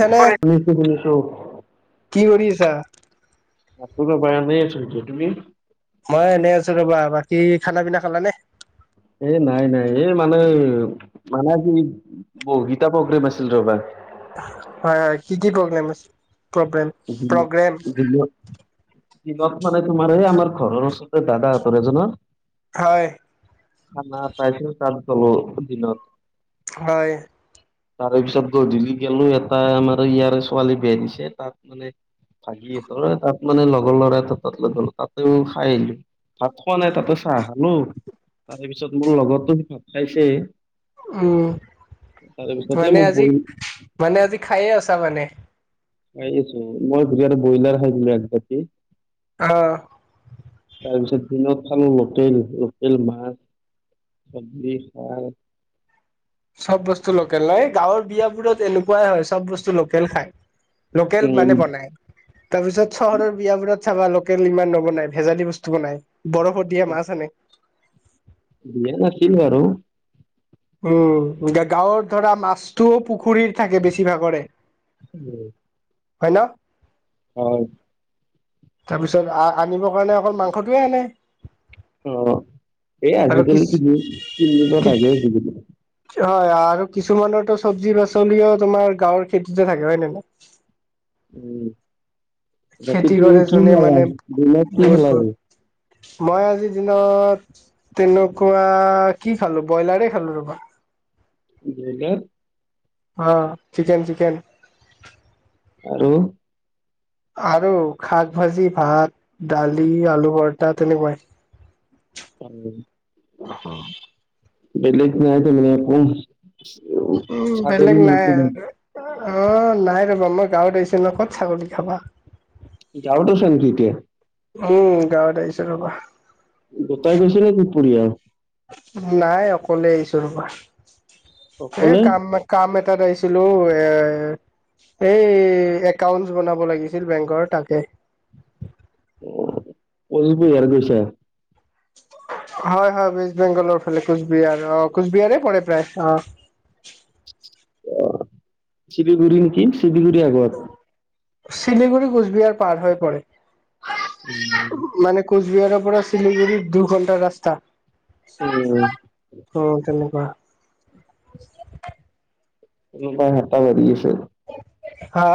নে কৰেক, শুনিছো শুনিছো। কি কৰি আছা নাচিব পৰা নাই, এনেই আছোঁ তুমি? মই এনে আছো ৰবা। বাকী খানা পিনা খালানে? এ নাই নাই এই মানে মানে আজি বগীতা প্ৰগ্ৰেম আছিল ৰবা। হয় হয় কি কি প্ৰব্লেম আছ, প্ৰব্লেম দিল দিলোঁ। কিলত মানে তোমাৰ এই আমাৰ ঘৰৰ ওচতে দাদাহঁতৰ এজন হয়। খানা পাইছিল তা তলত দিনত হয়। তাৰে পিছত গধূলি গেলো এটা আমাৰ ইয়াৰে ছোৱালী বিয়া দিছে তাত। মানে ভাগিহেতৰ তাত মানে লগৰ লৰাটো তাত লৈ গ'লো তাতেও খাই আহিলো। ভাত খোৱা নাই তাতে চাহ খালোঁ। তাৰে পিছত মোৰ লগৰটো ভাত খাইছে। উম তাৰে পিছতে মানে মোক আজি বৈ মানে আজি খায়ে আছা মানে। এই আছো মই বিৰিয়ানী ব্ৰইলাৰ খাইছিল এক বাতি। অ। তাৰপিছত দিনত খালো লোকেল লোকেল মাছ চজ্বি হাৰ চব বস্তু লোকেল ন এই গাঁৱৰ বিয়াবোৰত এনেকুৱাই হয় চব বস্তু লোকেল খাই। লোকেল মানে বনাই। তাৰ পিছত চহৰৰ বিয়াবোৰত চাবা লোকেল ইমান নবনাই ভেজালী বস্তু বনাই বৰফত দিয়া মাছ আনে। ধুনীয়া হয়, ক্ষীণ হয় আৰু উম গাঁৱৰ ধৰা মাছটোও পুখুৰীৰ থাকে বেছিভাগৰে। অ। হয় ন। হয়। তাৰপিছত আ আনিবৰ কাৰণে অকল মাংসটোৱে আনে। অ এই আৰু কি আজিকালি কিনো কি বুলি কয় পাহৰি এ থাকিলোঁ। হয় আৰু কিছুমানৰতো চব্জি পাচলিয়ে তোমাৰ গাঁৱৰ খেতিতে থাকে হয় নে নহয়? উম বাকী খেতি তোৰ কৰে কি যোনে খেলা, মানে দিনত কি বহুত খালা আজি? বহুত মই আজিৰ দিনত তেনেকুৱা কি খালো? ব্ৰইলাৰে খালো ৰবা। বেলেগ। হা চিকেন চিকেন। আৰু আৰু শাক ভাজি ভাত দালি আলু পৰটা তেনেকুৱাই। [unintelligible] বেলেক নাইটো মই হে। [unintelligible] উম বেলেগ চাগলী মাংস নাই নিম অ, নাই ৰ'বা মই গাঁৱত আহিছিলোঁ ক'ত ছাগলী খাবা। যাওঁটো চাগে তেতিয়া। উম, গাঁৱত আহিছোঁ ৰ'বা। গোটাই গৈছে নেকি পৰিয়াল? নাই অকলে আহিছোঁ ৰবা এই অকলে কাম কাম এটাত আহিছিলোঁ এ এই একাউন্টচ বনাব লাগিছিল বেংকৰ তাকে। [unintelligible] কোচ বিহাৰ গৈছা? হয়-হয় ৱেষ্ট বেংগলৰ ফালে কোচবিহাৰ অ, কোচবিহাৰে পৰে প্ৰায় অ। অ, শিলিগুৰিৰ কি শিলিগুৰি আগত। শিলিগুৰি কোচবিহাৰ পাৰ হৈ পৰে। উম, মানে কোচবিহাৰৰ পৰা শিলিগুৰি দুঘণ্টা ৰাস্তা। উম, অহ, তেনেকুৱা। কোনোবাই হাতাহ বাঢ়ি আছে। হা?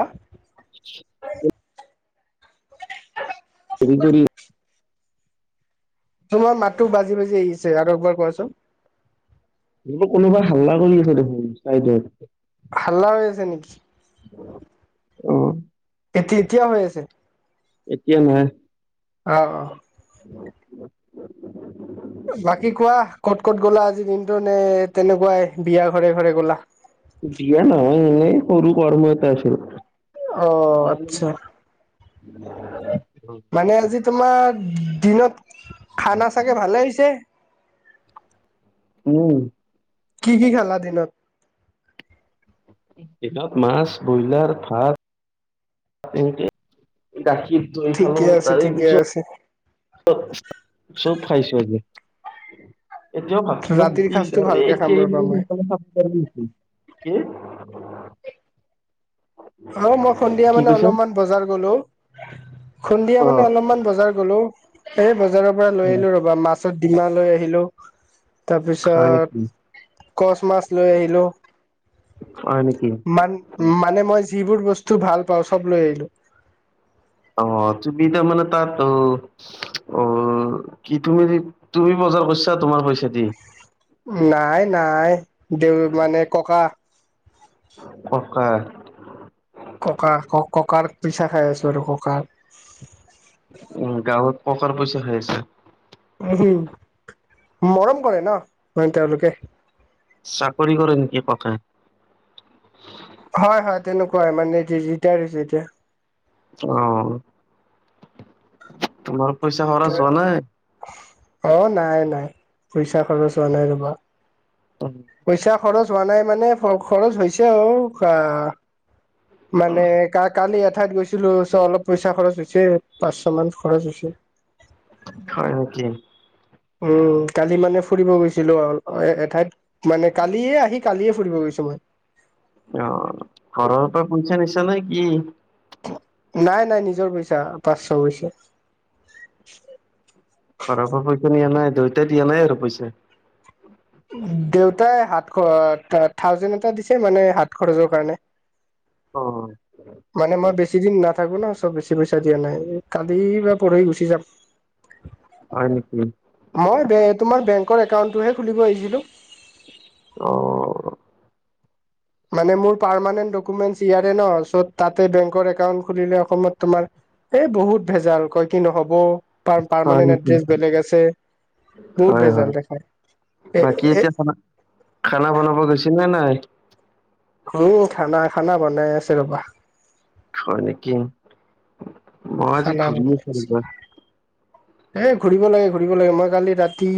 শিলগুৰি তোমাৰ মাততো বাজি -বাজি আহিছে আৰু একবাৰ কোৱাচোন? বুলো কোনোবাই হাল্লা কৰি আছে দেখোন চাইদত। হাল্লা হৈ আছে নেকি? অ', এতি -এতিয়াওঁ আছে এতিয়া নাই। আ, অ। [unintelligible] বাকি কোৱা ক'ত - গ'লা আজি দিনটো নে তেনেকুৱাই বিয়া ঘৰে -ঘৰে গ'লা? বিয়া নহয় এনে সৰু কৰ্ম এটা হৈছিল। অ, আচ্ছা মানে আজি তোমাৰ দিনত খানা চাগে ভালে হৈছে? উম। কি- কি খালা দিনত? দিনত মাছ, বইলাৰ, ভাত তেনেকে গাখীৰ, দৈ ঠিকে খালো আছে তাৰে ঠিকে পিছত আছে [unintelligible] চব খাইছোঁ আজি। এতিয়াও ভাত খাব ৰাতিৰ সাজটো ভালকে খাম ৰবা মই [unintelligible] কি? অ, মই সন্ধিয়া কি মানে কৈছা অলমান বজাৰ গলো। সন্ধিয়া অ মানে অলপমান বজাৰ গলো। এই বজাৰৰ পৰা লৈ আহিলোঁ ৰবা মাছত ডিমা লৈ আহিলোঁ। হয় নেকি তাৰপিছত কচ মাছ লৈ আহিলোঁ। হয় নেকি? উম, মানে মই যিবোৰ বস্তু ভাল পাওঁ চব লৈ আহিলোঁ। অ, তুমি তাৰমানে তাতো অ, কি তুমি -তুমি বজাৰ কৰছা তোমাৰ পইচা দি? নাই -নাই দেউ মানে ককা। ককা ককা- ক -ককাৰ পইচা খাই আছোঁ আৰু ককাৰ। উম! গাঁৱত ককাৰ পইচা খাই আছে। ওহোঁ! মৰম কৰে ন', মেইন তেওঁলোকে। চাকৰি কৰে নেকি ককাই? হয়, হয়, তেনেকুৱাই মানে। ৰীটায়াৰ হৈছে, এতিয়া। অ'! অ'! তোমাৰ পইচা খৰচ হোৱা নাই? অ'! নাই, নাই। পইচা খৰচ হোৱা নাই ৰ'বা। [unintelligible] পইচা খৰচ হোৱা নাই, মানে, খৰচ হৈছে আৰু আঁ। মানে, কা কালি, এঠাইত গৈছিলোঁ। চ' অলপ পইচা খৰচ হৈছে, পাঁচশ মান খৰচ হৈছে। হয়, নেকি? উম! কালি মানে, ফুৰিব গৈছিলোঁ আৰু এঠাইত। মানে, কালিয়ে আহি, কালিয়ে ফুৰিব গৈছোঁ, মই। অ'! ঘৰৰ পৰা পইচা, নিছা নেকি? নাই, নাই, নিজৰ পইচা, পাঁচশ গৈছে। ঘৰ পৰা পইচা নিয়া, নাই। দেউতাই দিয়া নাই আৰু পইচা? দেউতাই হাত, থাউজেণ্ড এটা দিছে মানে, হাত খৰচৰ কাৰণে। অ'! মানে, মই বেছি দিন নাথাকোঁ, ন'। চ' বেছি পইচা দিয়া নাই। এই, কালি বা পৰহি গুচি যাম। হয়, নেকি? মই বে, তোমাৰ বেংকৰ একাউণ্টহে খুলিব আহিছিলোঁ। অ'! মানে, মোৰ পাৰমেনেণ্ট ডকুমেন্ট ইয়াৰে ন'। চ' তাতে, বেংকৰ একাউণ্ট খুলিলে, অসমত তোমাৰ, এ, বহুত ভেজাল! কয়, কি? নহ'ব। পাৰ হয় -পাৰমানেণ্ট নেকি এড্ৰেছ বেলেগ আছে। বহুত হয় হয় ভেজাল দেখায়। এ, বাকী এ, এতিয়া খানা খানা বনাব গৈছে নে নাই? উম! খানা- খানা বনাই আছে, ৰ'বা। হয়, নেকি? মই আজি, খানা ঘূৰিয়ে বনাই আছে ফুৰিবা। এ, ঘুৰিব লাগে, ঘুৰিব লাগে। মই কালি, ৰাতি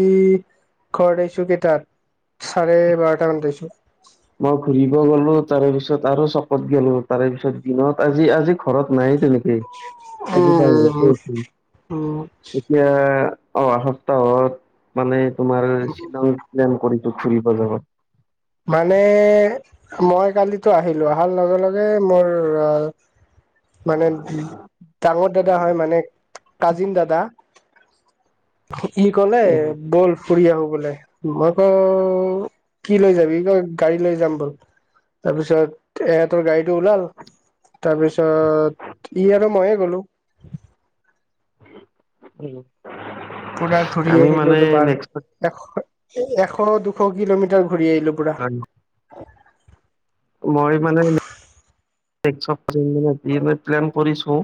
ঘৰ আহিছোঁ, কেইটাত? চাৰে, বাৰটা মানত আহিছোঁ। মই ঘুৰিব গ'লো। তাৰে পিছত, আৰু চপত গলোঁ। তাৰে পিছত, দিনত আজি, আজি ঘৰত নাই, তেনেকে। কি? উম আজি, তাৰ উম উম [unintelligible] উম। এতিয়া, অহা সপ্তাহত মানে, তোমাৰ, শ্বিলং প্লেন কৰি, ঘুৰিব যাবা? মানে, মই কালিতো আহিলোঁ। অহাৰ লগে লগে, মোৰ মানে, ডাঙৰ দাদা হয়, মানে, কাজিন দাদা। ই ক'লে, উম, বল ফুৰি আহোঁ, বোলে। মই কওঁ, কি লৈ যাবি? সি কয়! গাড়ী লৈ যাম, বল। তাৰপিছত, এহঁতৰ গাড়ীটো ওলাল। তাৰপিছত, সি আৰু মইয়ে গ'লোঁ। উম! পূৰা ঘূৰি আহিলোঁ। তোমাৰ, নেক্সট এশ, এশ- দুশ কিলোমিটাৰ ঘূৰি আহিলোঁ, পূৰা। মই মানে, [unintelligible] প্লেন কৰিছোঁ।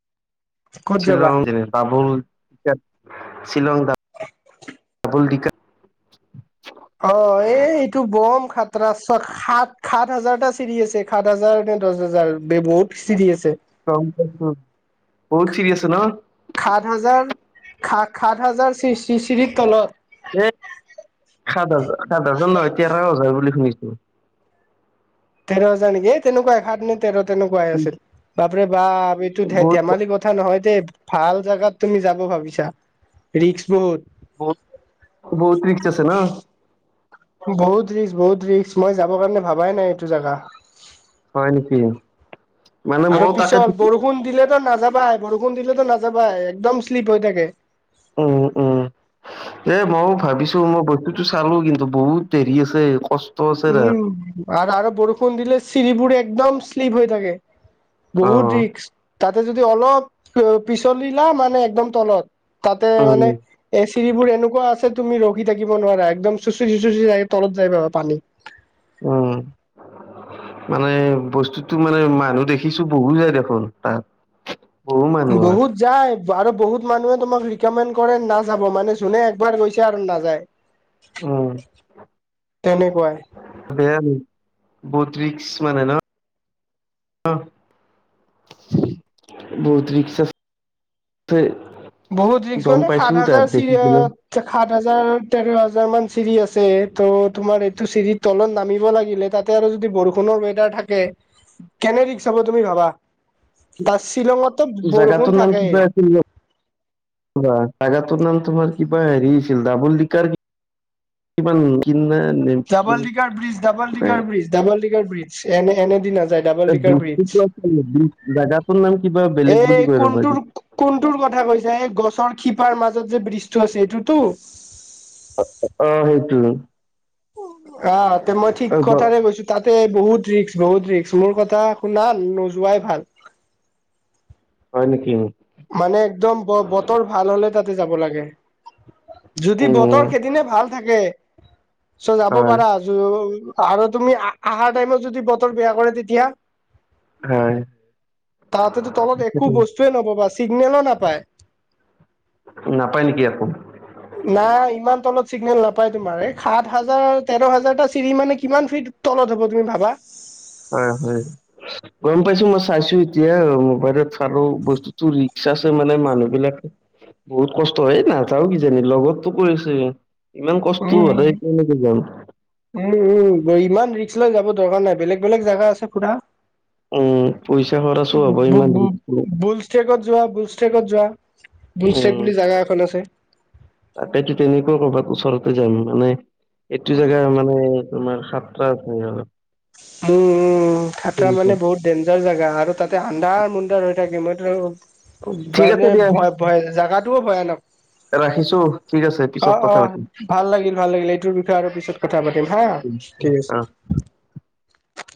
[inaudible] ক'ত যাবা শ্বিলং [unintelligible] [unintelligible] শ্বিলং [unintelligible] অ'! এই, এইটো বম খাতৰা! সাত- সাত হাজাৰটা চিৰি আছে। সাত হাজাৰ নে দহ হাজাৰ বে বহুত চিৰি আছে। [unintelligible] বহুত চিৰি আছে ন'? সাত হাজাৰ- সাত হাজাৰ চিৰি - চিৰি -চিৰিৰ তলত। এ, সাত হাজাৰ- সাত হাজাৰ নহয়, তেৰ হাজাৰ বুলি শুনিছোঁ। তেৰ হাজাৰ নেকি? এ, তেনেকুৱাই, সাত নে তেৰ তেনেকুৱাই আছিল। বাপৰে বাপ! এইটো ধে, বহুত ধেমালি কথ কথা নহয় দে ভাল জাগাত তুমি যাব ভাবিছা ৰিক্স বহুত। বহুত বহুত ৰিক্স আছে ন? বহুত ৰিক্স বহুত ৰিক্স মই যাবৰ কাৰণে ভাবাই নাই এইটো জাগা। হয় নেকি? মানে আৰু মইও তাকে পিছত বৰষুণ দিলেতো নাযাবাই বৰষুণ দিলেতো নাযাবাই একদম শ্লিপ হৈ থাকে। অহ অহ। এ মইও ভাবিছো মই বস্তুটো চালো কিন্তু বহুত দেৰি আছে কচ - উম, আৰ আৰু বৰষুণ দিলে চিৰিবোৰ একদম শ্লিপ হৈ থাকে। অ বহুত ৰিক্স তাতে যদি অলপ পিছলিলা মানে একদম তলত। তাতে উম মানে এ চিৰিবোৰ এনেকুৱা আছে তুমি ৰখি থাকিব নোৱাৰা একদম চুঁচুৰি চুঁচুৰি যাই তলত যায় পাবা পানী। উম। মানে বস্তুতো মানে মানুহ দেখিছো বহু যায় দেখোন তাত। বহু মানুহ হয় বহুত যায় আৰু বহুত মানুহে তোমাক ৰিকমেণ্ড কৰে নাযাব মানে যোনে একবাৰ গৈছে আৰু নাযায়। উম তেনেকুৱাই। বেয়া নি, বহুত ৰিক্স মানে ন? বহুত ৰিক্স আছ ছে। বহুত ৰিক্স মানে সাত হাজাৰ চিৰিয়ত সাত হাজাৰ, তেৰ হাজাৰ মান চিৰি আছে। ত তোমাৰ এইটো চিৰিত তলত নামিব লাগিলে তাত তে আৰু যদি বৰষুণৰ ৱেডাৰ থাকে কেনে ৰিক্স হ'ব তুমি ভাবা। তা শ্বিলঙতো জাগাটোৰ বৰষুণ থাকে। বা জাগাটোৰ নাম তোমাৰ কিবা হেৰি আছিল দাবুল দিকাৰ কি কিমান ডাবল ডিকাৰ ব্ৰিজ [unintelligible] ডাবল কিবা decker bridge double, decker bridge এনে এনে দি নাযায়। ডাবল [unintelligible] ডিকাৰ ব্ৰিজ জাগাটোৰ নাম কিবা বেলেগ এই বুলি কৈ ৰ'বা কোনটোৰ কি কোনটোৰ কথা কৈছা, এই গছৰ শিপাৰ মাজত যে বৃজ আছে এইটোতো। অ সেইটো। [unintelligible] ৰ, তে মই ঠিক অ ব- কথাকে গৈছো। তাতে বহুত ৰিক্স বহুত ৰিক্স মোৰ কথা শুনা নোযোৱাই ভাল। হয় নেকি? মানে একদম ব বতৰ ভাল হলে তাতে যাব লাগে। যদি উম বতৰ সেদিনে ভাল থাকে চ যাব হয় পাৰা। জো আৰু তুমি আহাৰ টাইমত যদি বতৰ বেয়া কৰে তেতিয়া। হয়। তাহতেতো তলত একো বস্তুয়ে নাপাবা চিগনেলো নাপায়। নাপায় নেকি একো। নাই, ইমান তলত চিগনেল নাপাই তোমাৰ সাত হাজাৰ তেৰ হাজাৰটা চিৰি মানে কিমান ফীট তলত হব তুমি ভাবা। হয় হয়। গম পাইছো মই চাইছো এতিয়া, মোবাইলত আৰু বস্তুতটো ৰিক্স আছে মানে মানুহ বিলাকে বহুত কষ্ট হয়, নাযাও কিজানি লগতো কৰিছে ইমান কষ্ট উম সদায় এনেকে যাম। উম উম, ইমান ৰিক্স লৈ যাব দৰকাৰ নাই বেলেগ বেলেগ জেগা আছে ফুৰা। উম পইচা। খৰচো বু হ'ব বু ইমান বু ৰিক্স লৈ। বুলষ্টেকত যোৱা বুলষ্টেকত যোৱা। বুলষ্টেক বুলি জেগা এখন আছে। তাকতেতো তেনেকুৱা কৰবাত ওচৰতে যাম মানে এইটো জেগা মানে তোমাৰ সাতটা আছে সিহঁত। মো খাতৰা মানে বহুত। ডেঞ্জাৰ জেগা, আৰু তাতে আন্ধাৰ মুন্ধাৰ হৈ থাকে মইটোৰো ঠিক আছে বাৰ্গে দিয়া ভয় ভয় জাগাটোও ভয়ানক। ৰাখিছো ঠিক আছে পিছত অ', কথা পাতিম অ', ভাল লাগিল -ভাল লাগিল এইটোৰ বিষয়ে আৰু পিছত কথা পাতিম হা ঠিক অ আছে।